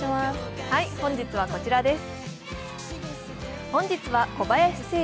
本日はこちらです。